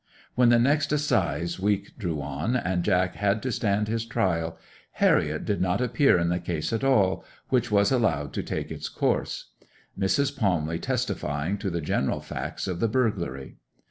When the assize week drew on, and Jack had to stand his trial, Harriet did not appear in the case at all, which was allowed to take its course, Mrs. Palmley testifying to the general facts of the burglary.